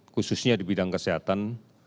khususnya di bidang kesehatan